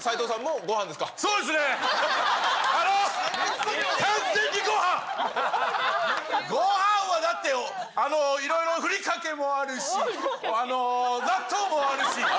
ごはんはだって、あの、いろいろ、ふりかけもあるし、納豆もあるし。